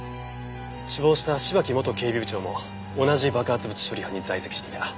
死亡した芝木元警備部長も同じ爆発物処理班に在籍していた。